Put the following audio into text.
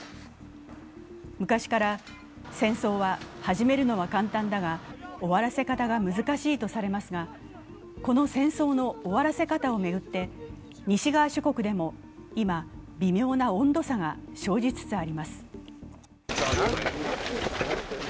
昔から戦争は始めるのは簡単だが終わらせ方が難しいとされますがこの戦争の終わらせ方を巡って西側諸国でも今、微妙な温度差が生じつつあります。